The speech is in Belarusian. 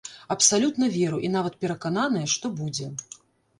Абсалютна веру і нават перакананая, што будзе.